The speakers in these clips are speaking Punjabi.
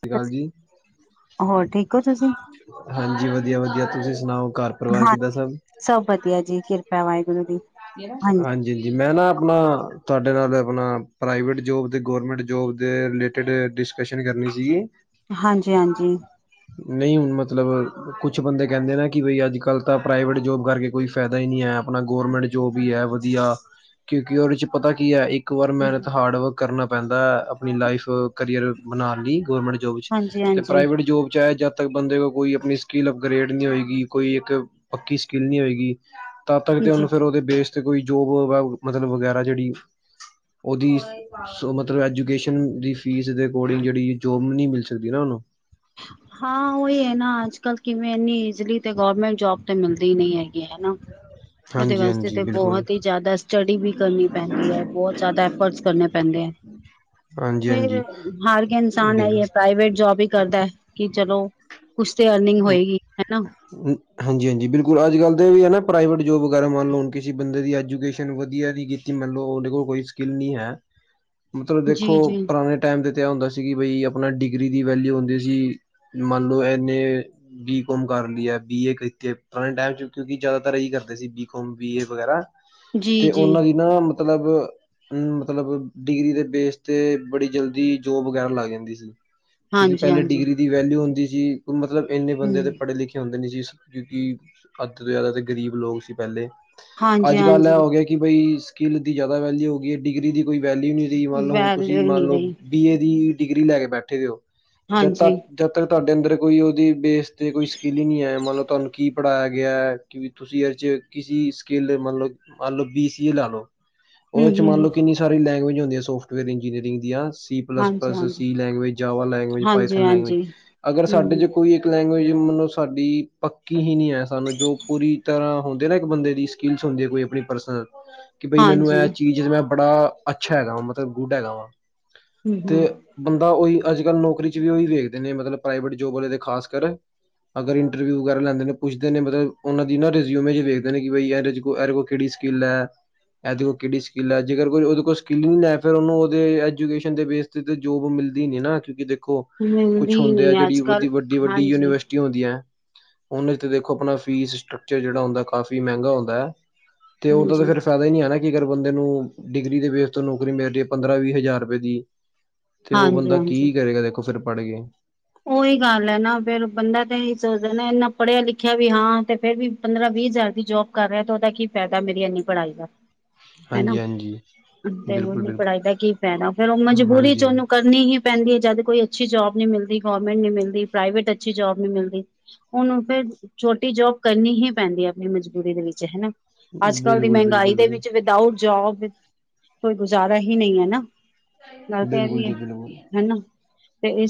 ਸਤਿ ਸ਼੍ਰੀ ਅਕਾਲ ਜੀ ਹੋਰ ਠੀਕ ਹੋ ਤੁਸੀਂ? ਹਾਂਜੀ ਵਧੀਆ ਵਧੀਆ ਤੁਸੀਂ ਸੁਣਾਓ ਘਰ ਪਰਿਵਾਰ ਹਾਂ ਕਿੱਦਾਂ ਸਭ? ਸਭ ਵਧੀਆ ਜੀ ਕਿਰਪਾ ਐ ਵਾਹਿਗੁਰੂ ਦੀ। ਹਾਂਜੀ। ਜੀ ਜੀ ਮੈਂ ਨਾ ਆਪਣਾ ਤੁਹਾਡੇ ਨਾਲ ਆਪਣਾ ਪ੍ਰਾਈਵੇਟ ਜੋਬ ਤੇ ਗੌਰਮੈਂਟ ਜੋਬ ਦੇ ਰਿਲੇਟਿਡ ਡੀਸ ਡਿਸਕਸ਼ਨ ਕਰਨੀ ਸੀ। ਹਾਂਜੀ, ਹਾਂਜੀ। ਨਹੀਂ ਮਤਲਬ ਕੁਛ ਬੰਦੇ ਕਹਿੰਦੇ ਨਾ ਕਿ ਬਈ ਅੱਜ-ਕੱਲ੍ਹ ਤਾਂ ਪ੍ਰਾਈਵੇਟ ਜੋਬ ਕਰਕੇ ਕੋਈ ਫੇ ਫੇਇਦਾ ਹੀ ਨਹੀਂ ਐ ਆਪਣਾ ਗੌਰਮੈਂਟ ਜੋ ਵੀ ਐ ਵਧੀਆ ਕਿਉਂਕਿ ਉਹਦੇ ਚ ਪਤਾ ਕੀ ਐ ਇੱਕ ਵਾਰ ਮੈਨਤ ਹਾਰਡਵਰਕ ਕਰਨਾ ਪੈਂਦਾ ਆਪਣੀ ਲਾਈਫ ਕਰੀਅਰ ਬਣਾ ਲਈ ਗਮੈਂਟ ਜੋਬ ਹਾਂਜੀ, ਚ ਹਾਂਜੀ, ਪ੍ਰਾਈਵੇਟ ਜੋਬ ਚ ਆ ਜਾ ਜ ਤੱਕ ਬੰਦੇ ਕੋਲ ਕੋਈ ਆਪਣੀ ਸਕਿੱਲ ਅਪਗ੍ਰੇਡ ਨਹੀਂ ਹੋਏਗੀ ਕੋਈ ਇੱਕ ਪੱਕੀ ਸਕਿੱਲ ਨਹੀਂ ਹੋਏਗੀ। ਤਦ ਤੱਕ ਤੇ ਉਹਨੂੰ ਜੀ। ਫੇਰ ਉਹਦੇ ਬੇਸ ਤੇ ਕੋਈ ਜੋਬ ਮਤਲਬ ਵਗੈਰਾ ਜਿਹੜੀ ਓਹਦੀ ਸੋ ਮਤਲਬ ਐਜੂਕੇਸ਼ਨ ਦੀ ਫੀਸ ਦੇ ਅਕੋਰਡਿੰਗ ਜਿਹੜੀ ਜੋਬ ਨ ਮਿਲ ਸਕਦੀ ਨਾ ਉਨੂੰ? ਹਾਂ ਉਹੀ ਐ ਨਾ ਅੱਜ-ਕੱਲ ਕਿਵੇਂ ਇਨੀ ਇਜਲੀ ਤੇ ਗੌਰਮੈਂਟ ਜੋਬ ਤੇ ਮਿਲਦੀ ਨਹੀਂ ਹੈਗੀ ਹਨਾ। [unintelligible] ਉਹਦੇ ਹਾਂਜੀ ਵਾਸਤੇ ਹਾਂਜੀ ਤਾਂ ਬਿਲਕੁਲ ਬਹੁਤ ਹੀ ਜ਼ਿਆਦਾ ਸਟੱਡੀ ਵੀ ਕਰਨੀ ਪੈਂਦੀ ਐ ਬਹੁਤ ਜ਼ਿਆਦਾ ਐਫਰਟਸ ਕਰਨੇ ਪੈਂਦੇ ਐ। ਹ ਫਿਰ ਹਾਰ ਕੇ ਇਨਸਾਨ ਏਈ ਏ ਬਿਲਕੁਲ ਪ੍ਰਾਈਵੇਟ ਜੋਬ ਈ ਕਰਦਾ ਐ। ਕਿ ਚਲੋ, ਕੁਛ ਤੇ ਅਰਨਿੰਗ ਹੋਏਗੀ ਹਨਾ। ਹਾਂਜੀ ਹਾਂਜੀ ਬਿਲਕੁਲ ਅੱਜ ਕੱਲ੍ਹ ਤਾਂ ਇਹ ਵੀ ਹੈ ਨਾ ਪ੍ਰਾਈਵੇਟ ਜੋਬ ਵਗੈਰਾ ਮੰਨ ਲਓ ਕਿਸੇ ਬੰਦੇ ਦੀ ਐਜੂਕੇਸ਼ਨ ਵਧੀਆ ਨੀ ਗੀ। ਮੰਨ ਲਓ ਉਹਦੇ ਕੋਲ ਕੋਈ ਸਕਿੱਲ ਨੀ ਹੈ, ਮਤਲਬ ਜੀ, ਦੇਖੋ ਜੀ, ਪੁਰਾਣੇ ਟਾਈਮ ਤੇ ਤਾ ਹੁੰਦਾ ਸੀ ਕਿ ਬਈ ਆਪਣਾ ਡਿਗਰੀ ਦੀ ਵੈਲਿਊ ਹੁੰਦੀ ਸੀ। ਮੰਨ ਲਓ ਐਨੇ ਬੀਕੋਮ ਕਰ ਲਈ ਐ ਬੀ ਏ ਕੀਤੀ ਪੁਰਾਣੇ ਟਾਈਮ ਚ ਕਿਉਂਕਿ ਜ਼ਿਆਦਾਤਰ ਇਹੀ ਕਰਦੇ ਸੀ ਬੀਕੋਮ, ਬੀ ਏ ਵਗੈਰਾ। ਜੀ, ਤੇ ਜੀ। ਉਹਨਾਂ ਦੀ ਨਾ ਮਤਲਬ ਉ ਮਤਲਬ ਡਿਗਰੀ ਦੇ ਬੇਸ ਤੇ ਬੜੀ ਜਲਦੀ ਜੋਬ ਵਗੈਰਾ ਲੱਗ ਜਾਂਦੀ ਸੀ। ਕਿਉਂਕਿ ਹਾਂਜੀ, ਪਹਿਲੇ ਹਾਂਜੀ, ਡਿਗਰੀ ਦੀ ਵੈਲਿਊ ਹੁੰਦੀ ਸੀ ਮਤਲਬ ਇੰਨੇ ਬੰਦੇ ਦੇ ਹਮ, ਪੜ੍ਹੇ ਲਿਖੇ ਹੁੰਦੇ ਨਹੀਂ ਸੀ। ਕਿਉਂਕਿ, ਅੱਧ ਤੋਂ ਜ਼ਿਆਦਾ ਤੇ ਗ਼ਰੀਬ ਲੋਕ ਸੀ ਪਹਿਲੇ, ਹਾਂਜੀ, ਅੱਜ ਕੱਲ ਆਹ ਹਾਂਜੀ। ਹੋ ਗਿਆ ਕੀ ਕੀ ਬਈ ਸਕਿੱਲ ਦੀ ਜ਼ਿਆਦਾ ਵੈਲਿਊ ਹੋ ਗਈ ਹੈ ਡਿਗਰੀ ਦੀ ਕੋਈ ਵੈਲਿਊ ਨਹੀਂ ਰਹੀ ਮੰਨ ਲਓ ਹੁਣ ਤੁਸੀਂ ਵੈਲਿਊ ਹੀ ਮੰਨ ਨਹੀਂ ਲਓ ਰਹੀ ਬੀ ਏ ਦੀ ਡਿਗਰੀ ਲੈ ਕੇ ਬੈਠੇ ਦੇ ਓ, ਜਦ ਹਾਂਜੀ ਤੱਕ-ਜਦ ਤੱਕ ਤੁਹਾਡੇ ਅੰਦਰ ਕੋਈ ਉਹਦੀ ਬੇਸ ਤੇ ਕੋਈ ਸਕਿੱਲ ਹੀ ਨਹੀਂ ਹੈ ਮੰਨਲਬ ਤੁਹਾਨੂੰ ਕੀ ਪੜ੍ਹਾਇਆ ਗਿਆ ਹੈ ਕੀ ਤੁਸੀਂ ਇਹਦੇ ਚ' ਕਿਸ ਸੀ ਸਕੀਲ ਮੰਨ ਲਓ ਬੀ ਸੀ ਏ ਲੈ ਲਓ। ਹੂੰ ਉਹਦੇ ਚ ਹੂੰ ਮੰਨ ਲਓ ਕਿੰਨੀ ਸਾਰੀ ਲੈਂਗੁਏਜ ਹੁੰਦੀ ਹੈ ਸੋਫਟਵੇਅਰ ਇੰਜੀਨੀਅਰਿੰਗ ਦੀਆਂ। ਟੀ ਪਲੱਸ ਹਾਂਜੀ ਪਲਸੀਸ ਹਾਂਜੀ ਸੀ ਲੈਂਗਵੀਜ, ਜਾਵਾ ਲੈਂਗਵੀਜ, ਹਾਂਜੀ ਪਾਈਥਨ ਲੈਂਗਵੀਜ, ਹਾਂਜੀ ਅਗਰ ਹੂੰ ਹੂੰ ਕੀ ਇੱਕ ਲੈਂਗਵੀਜ ਮਤਲਬ ਸਾਡੀ ਪੱਕੀ ਹੀ ਨੀ ਹੈ ਸਾਨੂੰ ਜੋ ਪੂਰੀ ਤਰ੍ਹਾਂ ਹੁੰਦੇ ਨਾ ਇੱਕ ਬੰਦੇ ਦੀ ਕੀ ਸਮਝੇ ਕੋਈ ਆਪਣੀ ਪਰਸਨਲ। ਕਿ ਬਈ ਮੈਨੂੰ ਹਾਂਜੀ ਇਹ ਚੀਜ਼ ਮੈਂ ਬੜਾ ਅੱਛਾ ਹੈਗਾ ਵਾ ਮਤਲਬ ਗੁੱਡ ਹੈਗਾ ਵਾ। ਹੂੰ ਹੂੰ ਤੇ ਬੰਦਾ ਉਹੀ ਅੱਜ ਕੱਲ੍ਹ ਨੌਕਰੀ ਚ ਵੀ ਉਹੀ ਵੇਖਦੇ ਨੇ ਮਤਲਬ ਪ੍ਰਾਈਵੇਟ ਜੋਬ ਵਾਲੇ ਤੇ ਖਾਸ ਕਰ। ਅਗਰ ਇੰਟਰਵਿਊ ਵਗੈਰਾ ਲੈਂਦੇ ਨੇ ਪੁੱਛਦੇ ਨੇ ਮਤਲਬ ਉਨਾ ਦੀ ਨਾ ਰਿਝਊਮੇ ਈ ਵੇਖਦੇ ਨੇ ਕਿ ਬਾਈ ਐਹ ਰਿਝੂ ਇਹ ਕੋਲ ਕਿਹੜੀ ਕਿੰਨਾ ਐ। ਇਹਦੇ ਕੋਲ ਕਿਹੜੀ ਸਕਿੱਲ ਹੈ ਜੇਕਰ ਕੋਈ ਉਹਦੇ ਕੋਲ ਸਕਿੱਲ ਨਹੀਂ ਹੈ ਫਿਰ ਉਹਨੂੰ ਉਹਦੇ ਐਜੂਕੇਸ਼ਨ ਦੇ ਬੇਸ ਤੇ ਜੋਬ ਮਿਲਦੀ ਨੇ ਨਾ ਕਿਉਂਕਿ ਦੇਖੋ ਮਿਲਦੀ ਨੀ ਅੱਜ ਕੱਲ। ਵੱਡੀ-ਵੱਡੀ ਹਾਂਜੀ ਯੂਨੀਵਰਸਿਟੀ ਹੁੰਦੀਆਂ ਐ। ਉਹਨਾਂ ਚ ਦੇਖੋ ਆਪਣਾ ਫੀਸ ਸਟਕਚਰ ਜਿਹੜਾ ਹੁੰਦਾ ਕਾਫੀ ਮਹਿੰਗਾ ਹੁੰਦਾ ਐ। ਤੇ ਉਦੋ ਦਾ ਹਾਂਜੀ ਫਿਰ ਫਾਇਦਾ ਨੀ ਹੈ ਨਾ। ਕਿ ਅਗਰ ਬੰਦੇ ਨੂੰ ਡਿਗਰੀ ਦੇ ਬੇਸ ਤੋਂ ਨੌਕਰੀ ਮਿਲ ਰਹੀ ਹੈ ਪੰਦਰਾਂ- ਵੀਹ ਹਜ਼ਾਰ ਰੁਪਏ ਦੀ ਤੇ ਉਹ ਹਾਂਜੀ ਬੰਦਾ ਹਾਂਜੀ ਕੀ ਕਰੇਗਾ ਦੇਖੋ ਫਿਰ ਪੜ੍ਹ ਕੇ। ਉਹੀ ਗੱਲ ਹੈ ਨਾ ਫੇਰ ਬੰਦਾ ਤਾਂ ਇਹੀ ਸੋਚਦਾ ਨਾ ਇਨਾ ਪੜ੍ਹਿਆ ਲਿਖਿਆ ਵੀ ਹਾਂ ਤੇ ਫੇਰ ਵੀ ਪੰਦਰਾਂ -ਵੀਹ ਹਜ਼ਾਰ ਦੀ ਜੋਬ ਕਰ ਰਿਹਾ ਤੇ ਉਹਦਾ ਕੀ ਫਾਇਦਾ ਮੇਰੀ ਇੰਨੀ ਪੜ੍ਹਾਈ ਦਾ। ਹਨਾ। ਹਾਂਜੀ ਹਾਂਜੀ ਤੇ ਬਿਲਕੁਲ ਉਹਨੀ ਬਿਲਕੁਲ ਪੜ੍ਹਾਈ ਦਾ ਕੀ ਫਾਇਦਾ ਫੇਰ ਉਹ ਮਜਬੂਰੀ ਹਾਂਜੀ ਚ ਹਾਂਜੀ ਉਹਨੂੰ ਕਰ ਨੀ ਹੀ ਪੈਂਦੀ ਹੈ ਜਦ ਕੋਈ ਅੱਛੀ ਜੋਬ ਨੀ ਮਿਲਦੀ ਗੌਰਰਮੈਂਟ ਨਹੀਂ ਮਿਲਦੀ ਪ੍ਰਾਈਵੇਟ ਅੱਛੀ ਜੋਬ ਨਹੀਂ ਮਿਲਦੀ। ਉਹਨੂੰ ਫੇਰ ਛੋਟੀ ਜੋਬ ਕਰਨੀ ਹੀ ਪੈਂਦੀ ਹੈ ਆਪਣੀ ਮਜ਼ਬੂਰੀ ਦੇ ਵਿੱਚ ਹਨਾ। ਅੱਜ ਕੱਲ ਦੀ ਬਿਲਕੁਲ ਮਹਿੰਗਾਈ ਬਿਲਕੁਲ ਦੇ ਬਿਲਕੁਲ ਵਿੱਚ ਵਿਦਊਟ ਜੋਬ, ਕੋਈ ਗੁਜ਼ਾਰਾ ਹੀ ਨਹੀਂ ਹੈ ਨਾ। ਗੱਲ ਤਾਂ ਇਹ ਬਿਲਕੁਲ ਵੀ ਐ, ਜੀ ਬਿਲਕੁਲ ਹੈਨਾ।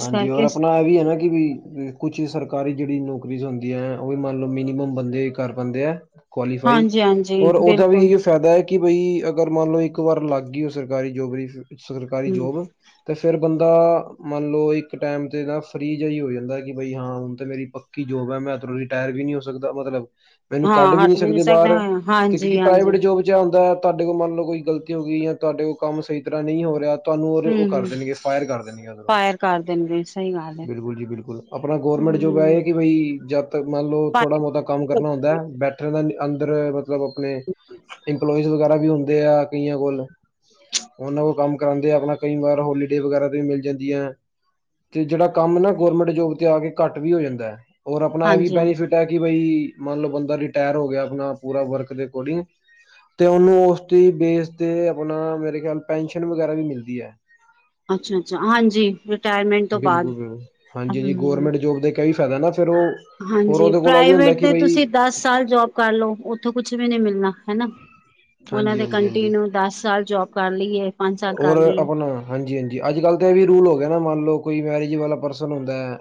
ਹਾਂਜੀ ਔਰ ਆਪਣਾ ਇਹ ਵੀ ਹੈ ਨਾ ਕਿ ਵੀ ਕੁਛ ਸਰਕਾਰੀ ਜਿਹੜੀ ਨੌਕਰੀ ਹੁੰਦੀਆਂ ਹੈ ਉਹ ਵੀ ਮੰਨ ਲਓ ਮਿਨੀਮਮ ਬੰਦੇ ਕਰ ਪਾਉਦੇ ਐ। ਕੁਆਲੀਫਾਈ, ਹਾਂਜੀ ਹਾਂਜੀ ਔਰ ਉਹਦਾ ਵੀ ਬਿਲਕੁਲ ਏਹੀ ਓ ਫਾਇਦਾ ਕਿ ਬਈ ਅਗਰ ਮੰਨ ਲਓ ਇੱਕ ਵਾਰ ਲੱਗ ਗਈ ਹੋ ਸਰਕਾਰੀ ਜੋਬੜੀ ਸਰਕਾਰੀ ਹਮ ਜੋਬ ਤੇ ਫੇਰ ਬੰਦਾ ਮੰਨ ਲਓ ਇੱਕ ਟਾਈਮ ਤੇ ਨਾ ਫਰੀ ਜਿਆ ਹੀ ਹੋ ਜਾਂਦਾ ਕਿ ਬਈ ਹਾਂ ਹੁਣ ਤਾਂ ਮੇਰੀ ਪੱਕੀ ਜੋਬ ਹੈ ਮੈਂ ਤ ਰਟਰ ਵੀ ਨੀ ਹੋ ਸਕਦਾ ਮਤਲਬ, ਮੈਨੂੰ ਕੱਢ ਹਾਂ ਵੀ ਨੀ ਹਟ ਸਕਦੇ ਸਕਦਾ ਬਾਹਰ ਤੇ ਕਿਉਂਕਿ ਹਾਂਜੀ ਹਾਂਜੀ ਪ੍ਰਾਈਵੇਟ ਜੋਬ ਚ ਏ ਉਦਾ ਤਾਡੇ ਕੋਲ ਮੰਨ ਲਓ ਕੋਈ ਗਲਤੀ ਹੋ ਗਈ ਹੈ ਤਾਡੇ ਕੋਲ ਕੰਮ ਸਹੀ ਤਰ੍ਹਾਂ ਨਹੀਂ ਹੋ ਰਿਹਾ ਤੁਹਾਨੂੰ ਹਮ ਉਹ ਕਰ ਹਮ ਦੇਣਗੇ ਪਾਇਰ ਕਰ ਦਿੰਗੇ ਉਧਰੋਂ ਫਾਇਰ ਕਰ ਦਿੰਦੇ ਸ ਬਿਲਕੁਲ ਜੀ ਬਿਲਕੁਲ ਆਪਣਾ ਗੌਰਰਮੈਂਟ ਜੋਬ ਇਹ ਹਮ ਹੈ, ਕਿ ਬਈ ਜਦ ਤੱਕ ਮੰਨ ਲਓ ਥੋੜਾ ਫਾਇਰ ਬਹੁਤਾ ਕੰਮ ਕਰਨਾ ਹੁੰਦਾ, ਬੈਠਣ ਦਾ ਅੰਦਰ ਮਤਲਬ ਆਪਣੇ ਇੰਪਲੋਇਜ਼ ਵਗੈਰਾ ਵੀ ਹੁੰਦੇ ਆ ਕਈਆਂ ਕੋਲ ਉਹਨਾਂ ਕੋ ਕੰਮ ਕਰਾਉਂਦੇ ਆ, ਆਪਣਾ ਕਈ ਵਾਰ ਹੋਲੀਡੇ ਵਗੈਰਾ ਵੀ ਮਿਲ ਜਾਂਦੀਆਂ ਤੇ ਜਿਹੜਾ ਕੰਮ ਨਾ ਗੋਰਮੈਂਟ ਜੋਬ ਤੇ ਆ ਕੇ ਘੱਟ ਵੀ ਹੋ ਜਾਂਦਾ ਹੈ, ਔਰ ਆਪਣਾ ਇਹ ਵੀ ਹਾਂਜੀ ਹਾਂਜੀ ਬੈਨੀਫਿਟ ਐ ਕਿ ਬਈ ਮੰਨ ਲਓ ਬੰਦਾ ਰਿਟਾਇਰ ਹੋ ਗਿਆ ਆਪਣਾ ਪੂਰਾ ਵਰਕ ਦੇ ਅਕੋਰਡਿੰਗ ਤੇ ਉਹਨੂੰ ਉਸਦੀ ਬੇਸ ਤੇ ਆਪਣਾ ਮੇਰੇ ਖਿਆਲ ਪੈਨਸ਼ਨ ਵਗੈਰਾ ਵੀ ਮਿਲਦੀ ਐ। ਅੱਛਾ-ਅੱਛਾ, ਹਾਂਜੀ। ਰਿਟਾਇਰਮੈਂਟ ਤੋਂ ਬਾਅਦ ਬਿਲਕੁਲ-ਬਿਲਕੁਲ, ਹਾਂਜੀ ਜੀ ਹੂੰ ਗਵਰਮੈਂਟ ਜੋਬ ਦਾ ਕਈ ਫਾਇਦਾ ਨਾ ਫ਼ਿਰ ਹਾਂਜੀ, ਪ੍ਰਾਈਵੇਟ ਦੇ ਤੁਸੀਂ ਦਸ ਸਾਲ ਜੋਬ ਕਰ ਲੋ ਉੱਥੋਂ ਕੁਛ ਵੀ ਨੀ ਮਿਲਣਾ ਹਨਾ? ਉਹਨਾਂ ਹਾਂਜੀ ਨੇ ਹਾਂਜੀ ਹਾਂਜੀ ਕੰਟੀਨਿਊ ਦਸ ਸਾਲ ਜੋਬ ਕਰ ਲਈਏ। ਪੰਜ ਸਾਲ ਔਰ ਕਰ ਲਈਏ। ਆਪਣਾ ਹਾਂਜੀ-ਹਾਂਜੀ, ਅੱਜ-ਕੱਲ੍ਹ ਤਾਂ ਇਹ ਵੀ ਰੂਲ ਹੋ ਗਿਆ ਨਾ ਮੰਨ ਲਓ ਕੋਈ ਮੈਰਿਜ ਵਾਲਾ ਪਰਸਨ ਹੁੰਦਾ ਐ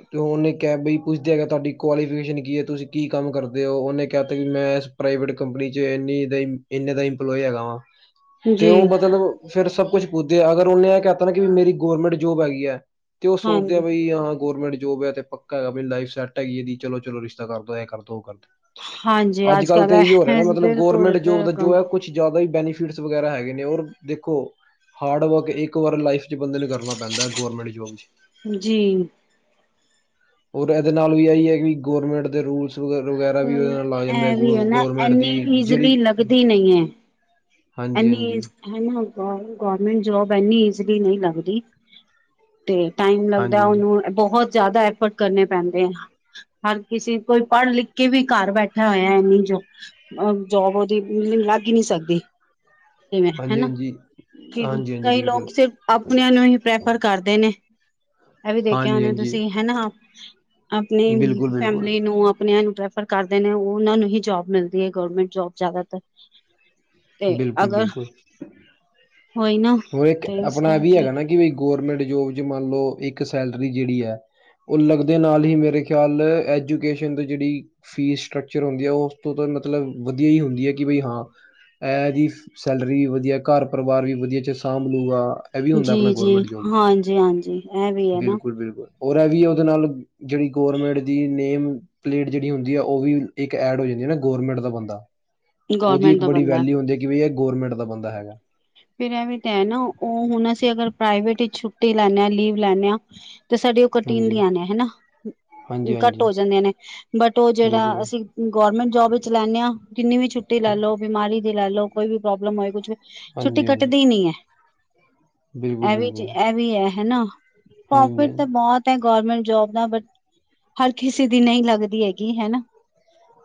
ਅਤੇ ਉਹਨੇ ਕਿਹਾ ਬਈ ਪੁੱਛਦੇ ਆ ਕਿ ਤੁਹਾਡੀ ਕੁਆਲੀਫਿਕੇਸ਼ਨ ਕੀ ਹੈ ਤੁਸੀਂ ਕੀ ਕੰਮ ਕਰਦੇ ਹੋ? ਉਹਨੇ ਕਿਹਾ ਤਾਂ ਵੀ ਮੈਂ ਇਸ ਪ੍ਰਾਈਵੇਟ ਕੰਪਨੀ 'ਚ ਇੰਨੀ ਦਾ ਇੰਨੇ ਦਾ ਇੰਪਲੋਏ ਹੈਗਾ ਵਾ। ਤੇ ਉਹ ਜੀ ਮਤਲਬ ਫਿਰ ਸਭ ਕੁੱਝ ਪੁੱਛਦੇ ਆ, ਅਗਰ ਉਹਨੇ ਇਹ ਕਹਿਤਾ ਨਾ ਕਿ ਮੇਰੀ ਗਵਰਮੈਂਟ ਜੋਬ ਹੈਗੀ ਆ ਤੇ ਉਹ ਸੋਚਦੇ ਆ ਹਾਂਜੀ ਬਈ ਹਾਂ ਗੌਰਮੈਂਟ ਜੋਬ ਐ ਤੇ ਪੱਕਾ ਹੈਗਾ ਮ ਲਾਈਫ ਸੈੱਟ ਹੈਗੀ ਹੈ, ਇਹਦੀ ਚਲੋ-ਚਲੋ ਰਿਸ਼ਤਾ ਕਰ ਦੋ ਇਹ ਕਰ ਦੋ ਉਹ ਕਰਦੇ ਹਾਂਜੀ ਅੱਜ ਅੱਜ-ਕੱਲ, ਕੱਲ ਤਾਂ ਇਹੀ ਹੋ ਰਿਹਾ ਨਾ ਮਤਲਬ ਗੌਰਮੈਂਟ ਜੋਬ ਦਾ ਜੋ ਬਿਲਕੁਲ-ਬਿਲਕੁਲ ਹੈ ਕੁਛ ਜ਼ਿਆਦਾ ਬੈਨੀਫਿਟਸ ਵਗੈਰਾ ਹੈਗੇ ਨੇ ਰ ਦੇਖੋ ਹਾਰਡ ਵਰਕ ਇੱਕ ਵਾਰ ਲਾਈਫ ਬੰਦੇ ਨੂੰ ਕਰਨਾ ਪੈਂਦਾ ਗਵਰਮੈਂਟ ਜੋਬ 'ਚ ਜੀ ਔਰ, ਇਹਦੇ ਨਾਲ ਵੀ ਆਹੀ ਹੈਗੀ ਗੌਰਰਮੈਂਟ ਦੇ ਰੂਲਸ [inaudible] ਵਗੈਰਾ ਵੀ ਉਹਦੇ ਪਰ ਨਾਲ ਲਾ ਜਾਂਦਾ ਇਹ ਗ ਵੀ ਹੈ ਨਾ ਗੌਰਰਮੈਂਟ ਇੰਨੀ ਦੀ ਜਿਹੜੀ ਈਜ਼ਲੀ ਨਹੀਂ ਐ। ਹਾਂਜੀ ਇਨੀ ਹਾਂਜੀ ਏਜ [inaudible] ਗਰਮੈਂਟ ਜੋਬ ਐਨੀ ਈਜ਼ਲੀ ਨਹੀਂ ਲੱਗਦੀ। ਤੇ ਟਾਈਮ ਹਾਂਜੀ ਲੱਗਦਾ ਹਾਂਜੀ ਉਹਨੂੰ ਬਹੁਤ ਜ਼ਿਆਦਾ ਐਫਰਟ ਕਰਨੇ ਪੈਂਦੇ ਆ ਹਰ ਕਿਸੇ ਕੋਈ ਪੜ੍ਹ ਲਿਖ ਕੇ ਵੀ ਘਰ ਬੈਠਾ ਹੋਇਆ ਹੈ, ਨਹੀਂ ਜੋ ਔਰ ਜੋਬ ਉਹਦੀ ਮ ਲੱਗ ਹੀ ਨਹੀਂ ਸਕਦੀ [inaudible] ਹਾਂਜੀ ਹਾਂਜੀ ਹਨਾ ਕਿ ਹਾਂਜੀ ਹਾਂਜੀ ਕਈ ਲੋਕ ਬਿਲਕੁਲ ਸਿਰਫ ਆਪਣਿਆਂ ਆਂ ਨੂੰ ਹੀ ਪ੍ਰੈ ਪਰ ਕਰਦੇ ਨੇ ਇਹ ਵੀ ਦੇਖਿਆ ਹਾਂਜੀ ਹੋਣੇ ਹਾਂਜੀ ਤੁਸੀਂ ਹਨਾ ਬਿਲਕੁਲ ਆਪਣੀ ਬਿਲਕੁਲ ਫੈਮਿਲੀ ਨੂੰ ਆਪਣਿਆਂ ਨੂੰ ਪ੍ਰੇ ਫਰ ਕਰਦੇ ਨੇ ਉਹਨਾਂ ਨੂੰ ਹੀ ਜੋਬ ਮਿਲਦੀ ਹੈ। ਗਵਰਮੈਂਟ ਜੋਬ ਜ਼ਿਆਦਾਤਰ ਤੇ ਅਗਰ ਬਿਲਕੁਲ-ਬਿਲਕੁਲ, ਹੋਈ ਨਾ ਹੋਰ ਇੱਕ ਤੇ ਇਸ ਆਪਣਾ ਵੀ ਕਰਕੇ ਹੈਗਾ ਨਾ ਕਿ ਬ ਗੌਰਰਮੈਂਟ ਜੋਬ ਚ ਮੰਨ ਲਓ ਇੱਕ ਸੈਲਰੀ ਜਿਹੜੀ ਹੈ, ਉਹ ਲੱਗਦੇ ਨਾਲ ਹੀ ਮੇਰੇ ਖਿਆਲ ਐਜੂਕੇਸ਼ਨ ਦੀ ਜਿਹੜੀ ਫੀਸ ਸਟਰਕਚਰ ਹੁੰਦੀ ਹੈ, ਉਸ ਤੋਂ ਤਾਂ ਮਤਲਬ ਵਧੀਆ ਹੀ ਹੁੰਦੀ ਹੈ। ਕਿ ਬਈ ਹਾਂ ਇਹਦੀ ਸੈਲਰੀ ਵੀ ਵਧੀਆ ਘਰ ਪਰਿਵਾਰ ਵੀ ਵਧੀਆ 'ਚ ਸਾਂਭ ਲੂ ਗਾ ਇਹ ਵੀ ਹੁੰਦਾ, ਆਪਣਾ ਜੀ ਜੀ ਗਮੈਂਟ ਜੋਬ 'ਚ ਹਾਂਜੀ ਹਾਂਜੀ ਇਹ ਵੀ ਹੈ ਨਾ ਬਿਲਕੁਲ, ਬਿਲਕੁਲ ਔਰ, ਇਹ ਵੀ ਉਹਦੇ ਨਾਲ ਜਿਹੜੀ ਗੌਰਮੈਂਟ ਦੀ ਨੇਮ ਪਲੇਟ ਜਿਹੜੀ ਹੁੰਦੀ ਆ, ਉਹ ਵੀ ਇੱਕ ਐਡ ਹੋ ਜਾਂਦੀ ਆ ਨਾ ਗਰਮੈਂਟ ਦਾ ਬੰਦਾ ਉਹਦੀ ਗੌਰਮੈਂਟ ਇੱਕ ਦਾ ਬੜੀ ਬੰਦਾ ਹੁੰਦੇ ਕਿ ਵੀ ਇਹ ਗੌਰਮੈਂਟ ਦਾ ਬੰਦਾ ਹੈਗਾ। ਫਿਰਿਆ ਵੀ ਤੇ ਹੈ ਨਾ ਉਹ ਹੁਣ ਅਸੀਂ ਅਗਰ ਪ੍ਰਾਈਵੇਟ ਹੀ ਛੁੱਟੀ ਲੈਂਦੇ ਹਾਂ ਲੀਵ ਲੈਨੇ ਹਾਂ ਤੇ ਸਾਡੇ ਉਹ ਹਾਂਜੀ ਕਟੀਦੀਆਂ ਨੇ ਹਨਾ, ਹਾਂਜੀ ਘੱਟ ਹਾਂਜੀ ਹੋ ਜਾਂਦੀਆਂ ਨੇ ਬਟ ਉਹ ਜਿਹੜਾ ਬਿਲਕੁਲ ਅਸੀਂ ਗੌਰਰਮੈਂਟ ਜੋਬ ਚ ਲੈੇਨੇ ਆ, ਕਿੰਨੀ ਵੀ ਛੁਟੀ ਲੈ ਹਾਂ। ਲਓ ਬਿਮਾਰੀ ਦੀ ਲੈ ਲਓ ਕੋਈ ਵੀ ਪ੍ਰੋਬਲਮ ਹੋਏ ਕੁਛ ਛੁੱਟੀ ਹਾਂਜੀ ਹਾਂਜੀ ਕੱਟਦੀ ਨੀ ਹੈ, ਬਿਲਕੁਲ ਇਹ ਵੀ- ਬਿਲਕੁਲ ਇਹ ਵੀ ਹੈ ਹਨਾ। ਹਾਂਜੀ ਪ੍ਰੋਫਿਟ ਹਾਂਜੀ ਤਾਂ ਬਹੁਤ ਤਾਂ ਗੌਰਮੈਂਟ ਜੋਬ ਦਾ ਬਟ ਹਰ ਕਿਸੇ ਦੀ ਨਹੀਂ ਲੱਗਦੀ ਹੈਗੀ ਹਨਾ।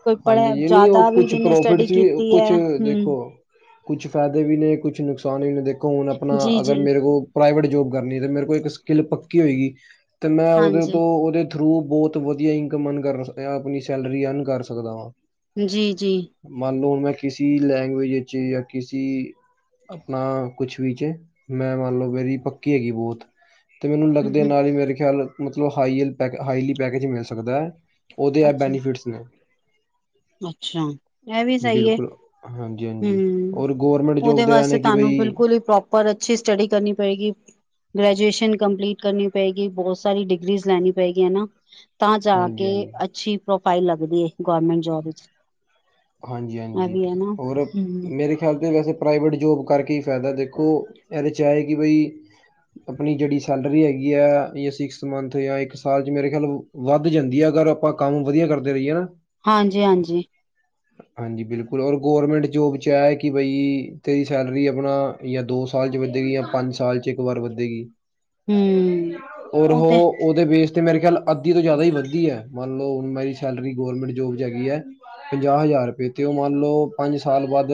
ਕੋਈ ਪੜ੍ਹਿਆ ਹਾਂਜੀ ਜ ਨਹੀਂ ਉਹ ਜ਼ਿਆਦਾ ਵੀ ਕੁਛ ਜਿਹਨੇ ਸਟੱਡੀ ਪ੍ਰੋਫਿਟਸ ਵੀ ਕੀਤੀ ਹੈ ਕੁਛ ਦੇਖੋ ਹਮ ਕੁਛ ਫ਼ਾਇਦੇ ਵੀ ਨੇ, ਕੁਛ ਨੁਕਸਾਨ ਵੀ ਨੇ, ਦੇਖੋ ਹੁਣ ਆਪਣਾ ਜੀ ਅਗਰ ਜੀ ਮੇਰੇ ਕੋਲ ਪ੍ਰਾਈਵੇਟ ਜੋਬ ਕਰਨੀ ਤੇ ਮੇਰੇ ਕੋਲ ਇੱਕ ਸਕਿੱਲ ਪੱਕੀ ਹੋਏਗੀ, ਤੇ ਮੈਂ ਉਹਦੇ ਤੋਂ ਹਾਂਜੀ ਉਹਦੇ ਥਰੂ ਬਹੁਤ ਵਧੀਆ ਇਨਕਮ ਅਨ ਆਪਣੀ ਸੈਲਰੀ ਅਰਨ ਕਰ ਸਕਦਾ ਵਾਂ। ਜੀ-ਜੀ। ਮੰਨ ਲਓ ਹੁਣ ਮੈਂ ਕਿਸੇ ਲੈਂਗਏਜ ਵਿੱਚ ਜਾਂ ਕਿਸੇ ਆਪਣਾ ਕੁਛ ਵੀਚ ਮੈਂ ਮੰਨ ਲਓ ਮੇਰੀ ਪੱਕੀ ਹੈਗੀ ਬਹੁਤ ਤੇ ਮੈਨੂੰ ਹਮ ਲੱਗਦੇ ਹਮ ਨਾਲ ਹੀ ਮੇਰੇ ਖਿਆਲ ਮਤਬ ਹਾਈ ਲੀ ਪੈਕੇਜ ਮਿਲ ਸਕਦਾ ਹੈ। ਉਹਦੇ ਆ ਅੱਛਾ ਬੈਨੀਫਿਟਸ ਨੇ ਅੱਛਾ ਇਹ ਵੀ ਸਹੀ ਹੈ, ਬਿਲਕੁਲ ਹਾਂਜੀ ਹਾਂਜੀ ਹੂੰ ਔਰ ਗੌਰਮੈਂਟ ਉਹਦੇ ਜੋਬ ਦੇ ਇਹ ਵਾਸਤੇ ਨੇ ਕਿ ਤੁਹਾਨੂੰ ਬਈ ਬਿਲਕੁਲ ਬਿਲਕੁਲ ਹੀ ਪ੍ਰੋਪਰ ਅੱਛੀ ਸਟੱਡੀ ਕਰਨੀ ਪਏਗੀ। ਗ੍ਰੈਜੂਏਸ਼ਨ ਕੰਪਲੀਟ ਕਰਨੀ ਪਏਗੀ। ਬਹੁਤ ਸਾਰੀ ਡਿਗਰੀਜ਼ ਲੈਣੀ ਪਏਗੀ ਹਨਾ। ਤਾਂ ਜਾ ਹਾਂਜੀ ਕੇ ਹਾਂਜੀ ਅੱਛੀ ਪ੍ਰੋਫਾਈਲ ਲੱਗਦੀ ਹੈ, ਗਰਮੈਂਟ ਜੋਬ ਵਿਚ। ਹਾਂਜੀ-ਹਾਂਜੀ ਹੋਰ ਮੇਰੇ ਖਿਆਲ 'ਤੇ ਵੈਸੇ ਪ੍ਰਾਈਵੇਟ ਜੋਬ ਕਰਕੇ ਹੀ ਫਾਇਦਾ ਦੇਖੋ, ਇਹਦੇ 'ਚ ਹੈ ਕਿ ਬਈ ਆਪਣੀ ਜਿਹੜੀ ਸੈਲਰੀ ਹੈਗੀ ਆ, ਜਾਂ ਸਿਕਸ ਮੰਥ, ਜਾਂ ਇੱਕ ਸਾਲ 'ਚ ਮੇਰੇ ਖਿਆਲ ਵੱਧ ਜਾਂਦੀ ਹੈ। ਅਗਰ ਆਪਾਂ ਕੰਮ ਵਧੀਆ ਕਰਦੇ ਰਹੀਏ ਨਾ। ਹਾਂਜੀ- ਹਾਂਜੀ। ਹਾਂਜੀ ਬਿਲਕੁਲ ਔਰ ਗੌਰਮੈਂਟ ਜੋਬ 'ਚ ਇਹ ਕਿ ਬਈ ਤੇਰੀ ਸੈਲਰੀ ਆਪਣਾ ਜਾਂ ਦੋ ਸਾਲ ਚ ਵੱਧੇਗੀ ਜਾਂ ਪੰਜ ਸਾਲ ਚ ਇਕ ਵਾਰ ਵੱਧੇਗੀ। ਹਮ ਔਰ ਉਹ ਤੇ ਉਹਦੇ ਬੇਸ ਤੇ ਮੇਰੇ ਖਿਆਲ ਅੱਧੀ ਤੋਂ ਜ਼ਿਆਦਾ ਹੀ ਵਧਦੀ ਹੈ ਮ ਮੰਨ ਲਓ ਹੁਣ ਮੇਰੀ ਸੈਲਰੀ ਗਵਰਮੈਂਟ ਜੋਬ ਚ ਹੈਗੀ ਹੈ। ਪੰਜਾਹ ਹਜ਼ਾਰ ਰੁਪਏ ਤੇ ਉਹ ਮੰਨ ਲਓ ਪੰਜ ਸਾਲ ਬਾਅਦ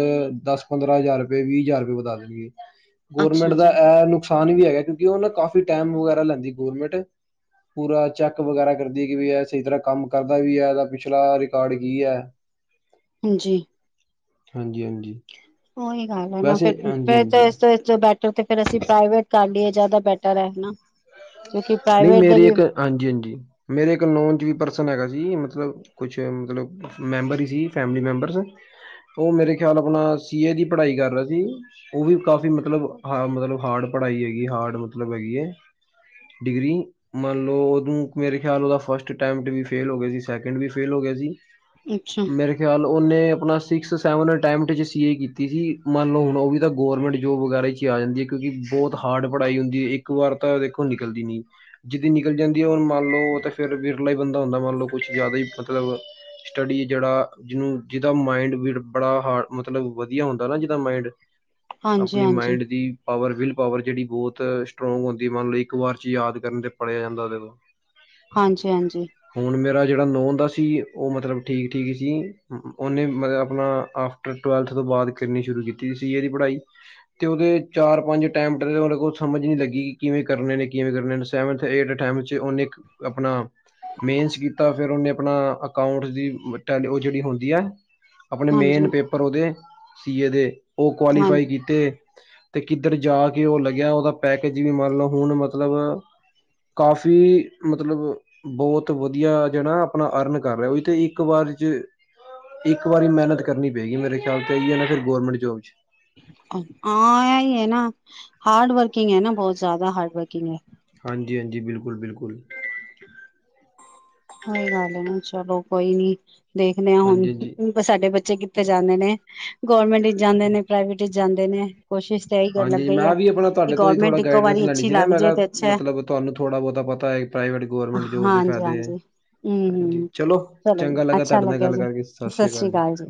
ਦਸ- ਪੰਦਰਾਂ ਹਜ਼ਾਰ ਰੁਪਏ ਵੀਹ ਹਜ਼ਾਰ ਰੁਪਏ ਵਧਾ ਦੇਣਗੇ। [unintelligible] ਗਵਰਨਮੈਂਟ ਦਾ ਜੀ ਇਹ ਨੁਕਸਾਨ ਵੀ ਹੈਗਾ, ਕਿਉਂਕਿ ਗਵਰਨਮੈਂਟ ਕਾਫ਼ੀ ਸਮਾਂ ਲੈਂਦੀ ਹੈ। ਪੂਰਾ ਚੇਕ ਵਗੈਰਾ ਕਰਦੀ ਹੈਗੀ ਕਿ ਇਹ ਸਹੀ ਤਰ੍ਹਾਂ ਕੰਮ ਕਰਦਾ ਹੈ ਵੀ ਹੈਗਾ, ਪਿਛਲਾ ਰਿਕਾਰਡ ਕੀ ਰਿਹਾ ਹੈ। ਹਾਂਜੀ। ਹਾਂਜੀ-ਹਾਂਜੀ। ਉਹੀ ਗੱਲ ਹੈ ਨਾ, ਵੈਸੇ ਫੇਰ ਹਾਂਜੀ-ਹਾਂਜੀ ਓ ਇਸ ਤੋਂ ਅੱਛਾ ਬੈਠੋ ਤੇ ਫੇਰ ਅਸੀਂ ਪਾਗਲ। ਸਾਡੇ ਉਹ ਜਿਆਦਾ ਬੈਟਰ ਹੈ, ਹਨਾ। ਕਿਉਂਕਿ ਨਹੀਂ, ਪ੍ਰਾਈਵੇਟ ਦੇ ਮੇਰੇ ਵੀ ਇੱਕ ਹਾਂਜੀ- ਹਾਂਜੀ ਮੇਰੇ ਇਕ ਨੋਨ ਚ ਪਰਸਨ ਹੈਗਾ ਸੀ ਨੀ, ਮਤਲਬ ਕੁਛ ਉਹ ਮਤਲਬ ਮੈਂਬਰ ਹੀ ਸੀ, ਫੈਮਲੀ ਮੈਂਬਰਸ। ਫੇਰ ਮੇਰੇ ਖ਼ਿਆਲ ਆਪਣਾ ਸੀ ਏ ਦੀ ਪੜਾਈ ਕਰ ਰਿਹਾ ਸੀ, ਉਹ। ਉਹ ਵੀ ਕਾਫ਼ੀ ਮਤਲਬ ਹਾਡ, ਹਾਡ ਪੜਾਈ ਹੈਗੀ ਹੈ। ਹਾਰਡ ਮਤਲਬ ਹੈਗੀ ਐਂ। ਡਿਗਰੀ ਮੰਨ ਲਓ, ਮੇਰੇ ਖਿਆਲ ਨਾਲ ਫਸਟ ਟਾਈਮ ਚ ਵੀ ਫੇਲ ਹੋ ਗਿਆ ਸੀ, ਸੈਕੰਡ ਵੀ ਫੇਲ ਹੋ ਗਿਆ ਸੀ। ਮੇਰੇ, ਅੱਛਾ ਮੇਰੇ ਮੇਰੇ ਖਿਆਲ ਉਹਨੇ ਆਪਣਾ ਸਿਕਸ ਸੈਵਨ ਅਟੈਮਪਟ ਚ ਸੀ ਐ ਕੀਤੀ ਸੀ। ਮੰਨ ਲਓ ਹੁਣ ਉਹ ਵੀ ਗੌਰਮੈਂਟ ਜੋਬ ਵਗੈਰਾ ਵਿਚ। ਕੀ ਹਾਂਜੀ ਕਿਉਂਕਿ ਬਹੁਤ ਹਾਰਡ ਪੜਾਈ ਹੁੰਦੀ ਹੈ। ਇੱਕ ਵਾਰ ਤਾਂ ਦੇਖੋ ਨਿਕਲਦੀ ਨਹੀਂ। ਜਿਸ ਦੀ ਨਿਕਲ ਜਾਂਦੀ ਹੈ, ਉਹ ਤਾਂ ਫੇਰ ਵਿਰਲਾ ਹੀ ਬੰਦਾ ਹੁੰਦਾ ਹੈ। ਮੰਨ ਲਓ, ਉਹ ਕੁਝ ਜਿਆਦਾ ਹੀ- ਸਟਡੀ ਜਿਹੜਾ ਜਿਹਨੂੰ ਜਿਹਦਾ ਮਾਇੰਡ ਬੜਾ ਹਾਰਡ ਮਤਲਬ ਬੜਾ ਵਧੀਆ ਹੁੰਦਾ ਨਾ ਜਿਹਦਾ ਮਾਇੰਡ। ਹਾਂਜੀ ਆਪਣੇ ਹਾਂਜੀ ਮਾਇੰਡ ਦੀ ਪਾਵਰ ਵਿਲ ਪਾਵਰ ਜਿਹੜੀ ਬਹੁਤ ਸਟਰੋਂਗ ਹੁੰ ਮੰਨ ਲਓ, ਇੱਕ ਵਾਰ ਪੜ੍ਹਨ ਜਾਂ ਯਾਦ ਕਰਨ ਨਾਲ ਹੀ ਉਸ ਨੂੰ ਸਭ ਕੁਝ ਯਾਦ ਹੋ ਜਾਂਦਾ ਹੈ। ਹਾਂਜੀ, ਹਾਂਜੀ! ਹੁਣ ਮੇਰਾ ਜਿਹੜਾ ਨੋਨ ਦਾ ਸੀ ਉਹ ਮਤਲਬ ਠੀਕ ਠੀਕ ਸੀ ਉਹਨੇ ਮਤਲਬ ਆਪਣਾ ਅ ਉਸ ਨੇ ਟਵੈਲਵਥ ਤੋਂ ਬਾਅਦ ਕਿੰਨੀ ਸ਼ੁਰੂ ਕੀਤੀ ਸੀ ਏ ਦੀ ਪੜ੍ਹਾਈ ਤੇ ਉਹਦੇ ਚਾਰ-ਪੰਜ ਟੈਮ ਟਰਾਈ ਕੀਤੀ, ਪਰ ਉਸ ਨੂੰ ਸਮਝ ਨਹੀਂ ਲੱਗੀ। ਕਿਵੇਂ ਕਰਨੇ ਨੇ ਕਿਵੇਂ ਕਰਨੇ ਨੇ ਸੈਵਥ ਏਡਥ ਏਥੇਵੇਂਥ ਵਿਚ ਉਹਨੇ ਇਕ ਆਪਣਾ ਮੇਨਜ਼ ਕੀਤਾ ਫਿਰ ਉਹਨੇ ਆਪਣਾ ਅਕਾਊਂਟਸ ਦੀ ਟਾ ਉਹ ਜਿਹੜੀ ਹੁੰਦੀ ਹੈ। ਆਪਣੇ ਮੇਨ ਹਾਂਜੀ ਪੇਪਰ ਉਹਦੇ ਸੀ ਏ ਦੇ ਉਹ ਕੁਆਲੀਫਾਈ ਹਾਂਜੀ ਕੀਤੇ। ਤੇ ਕਿੱਧਰ ਜਾ ਕੇ ਉਹ ਲੱਗਿਆ ਉਹਦਾ ਪੈਕਜ ਵੀ ਮੰਨ ਲਓ ਹੁਣ ਮਤਲਬ। ਕਾਫ਼ੀ, ਮਤਲਬ ਉਹ ਬਹੁਤ ਵਧੀਆ ਜਿਹੜਾ ਨਾ ਆਪਣਾ ਅਰਨ ਕਰ ਰਿਹਾ। ਮੰਨ ਲਓ, ਇੱਕ ਵਾਰ ਚ ਇੱਕ ਵਾਰੀ ਮਿਹਨਤ ਕਰਨੀ ਪਏਗੀ, ਮੇਰੇ ਖਿਆਲ ਨਾਲ ਚਾਹੀਦੀ ਹੈ ਤਾਂ ਗਵਰਮੈਂਟ ਜੋਬ ਵਿੱਚ ਹਾਂ, ਇਹੀ ਗੱਲ ਹੈ ਨਾ ਹਾਰਡ ਵਰਕਿੰਗ ਆ ਬਹੁਤ ਜਿਆਦਾ ਹਾਰਡ ਵਰਕਿੰਗ ਆ। ਹਾਂਜੀ, ਹਾਂਜੀ, ਬਿਲਕੁਲ, ਬਿਲਕੁਲ। ਕੋਈ ਗੱਲ ਨਹੀਂ ਚਲੋ ਕੋਈ ਨਹੀਂ, ਦੇਖਦੇ ਹਾਂ ਹਾਂਜੀ ਹਾਂਜੀ ਹੁਣ ਸਾਡੇ ਬੱਚੇ ਕਿੱਥੇ ਜਾਂਦੇ ਨੇ ਗੌਰਮੈਂਟ ਵਿੱਚ ਜਾਂਦੇ ਨੇ ਪ੍ਰਾਈਵੇਟ ਵਿੱਚ ਜਾਂਦੇ ਨੇ ਕੋਸ਼ਿਸ਼ ਤਾਂ ਇਹੀ ਕਰਨ ਲੱਗ ਹਾਂਜੀ ਗਈ ਹੈ ਮੈਂ ਵੀ ਆਪਣਾ ਕਿ ਤੁਹਾਡੇ ਤੋਂ ਹੀ ਗੌਰਮੈਂਟ ਥੋੜ੍ਹਾ ਇੱਕੋ ਗਾਈਡੈਂਸ ਵਾਰੀ ਲੈਣੀ ਅੱਛੀ ਸੀ ਨਾ, ਲੱਗ ਮੈਂ ਜਾਏ ਕਿਹਾ ਤੇ ਅੱਛਾ ਹੈ ਮਤਲਬ ਤੁਹਾਨੂੰ ਥੋੜ੍ਹਾ ਬਹੁਤਾ ਪਤਾ ਹੋਏ। ਪ੍ਰਾਈਵੇਟ ਗੌਰਮੈਂਟ ਜੋਬ ਦੇ ਹਾਂਜੀ ਫਾਇਦੇ ਹਾਂਜੀ ਹਮ ਹਾਂਜੀ, ਹਮ ਚਲੋ ਚਲੋ ਜੀ ਚੰਗਾ ਲੱਗਾ ਅੱਛਾ ਤੁਹਾਡੇ ਨਾਲ ਲੱਗਿਆ ਗੱਲ ਜੀ ਕਰਕੇ, ਸਤਿ ਸ੍ਰੀ ਅਕਾਲ ਜੀ! ਜੀ